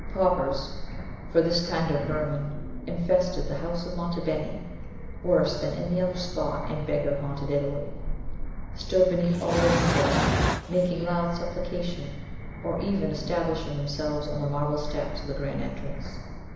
Paupers for this kind of vermin infested the house of Monte Beni worse than any other spot in beggar haunted Italy stood beneath all the windows, making loud supplication, or even establishing themselves on the marble steps of the grand entrance.